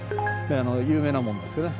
有名な門ですけどね。